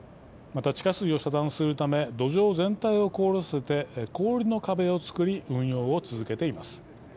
また、地下水を遮断するため土壌全体を凍らせて氷の壁をつくり運用を続けています。